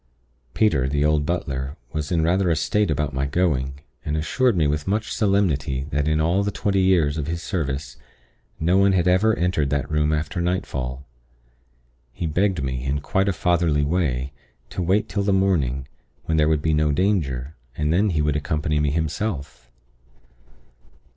"Peter, the old butler, was in rather a state about my going, and assured me with much solemnity that in all the twenty years of his service, no one had ever entered that room after nightfall. He begged me, in quite a fatherly way, to wait till the morning, when there would be no danger, and then he could accompany me himself.